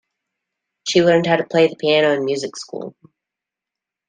She learned how to play the piano in music school.